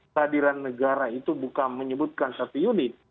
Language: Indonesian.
hadiran negara itu bukan menyebutkan satu unit